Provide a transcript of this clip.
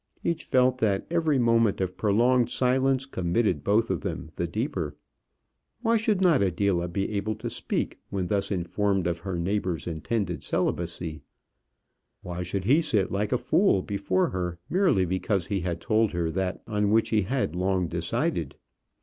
Each felt that every moment of prolonged silence committed both of them the deeper. Why should not Adela be able to speak when thus informed of her neighbour's intended celibacy? Why should he sit like a fool before her merely because he had told her that on which he had long decided?